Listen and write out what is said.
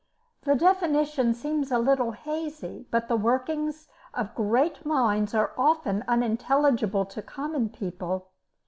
The definition seems a little hazy, but the workings of great minds are often unintelligible to common people.